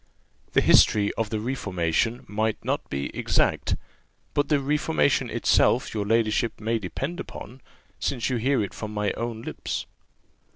"The history of the reformation might not be exact, but the reformation itself your ladyship may depend upon, since you hear it from my own lips."